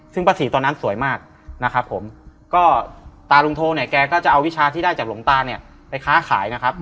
ซึ่งป้าศรีตอนนั้นสวยมากนะครับผมก็ตาลุงโทเนี่ยแกก็จะเอาวิชาที่ได้จากหลวงตาเนี่ยไปค้าขายนะครับ